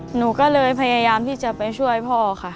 หนูก็เลยพยายามที่จะไปช่วยพ่อค่ะ